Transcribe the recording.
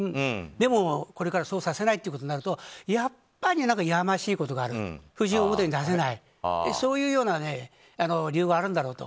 でも、これからはそうさせないとなるとやっぱり、やましいことがある夫人を表に出せないというような理由があるんだろうと。